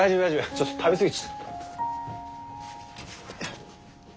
ちょっと食べ過ぎちゃった。